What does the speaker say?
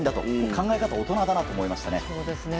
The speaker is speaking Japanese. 考え方、大人だなと思いましたね。